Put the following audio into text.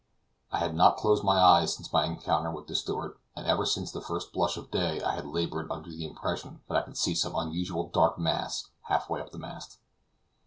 I had not closed my eyes since my encounter with the steward, and ever since the first blush of day I had labored under the impression that I could see some unusual dark mass half way up the mast.